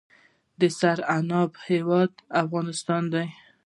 د سرې عناب هیواد افغانستان.